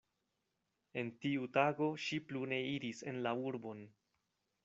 En tiu tago ŝi plu ne iris en la urbon.